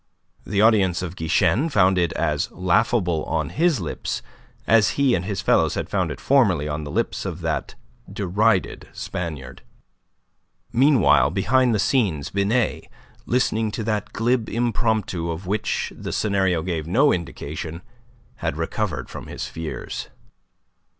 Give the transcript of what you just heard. The audience of Guichen found it as laughable on his lips as he and his fellows had found it formerly on the lips of that derided Spaniard. Meanwhile, behind the scenes, Binet listening to that glib impromptu of which the scenario gave no indication had recovered from his fears.